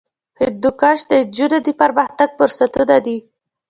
هندوکش د نجونو د پرمختګ فرصتونه دي.